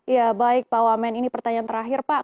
ya baik pak wamen ini pertanyaan terakhir pak